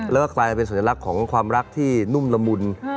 แล้วก็กลายเป็นสัญลักษณ์ของความรักที่นุ่มละมุน